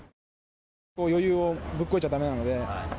余裕をぶっこいちゃだめなので。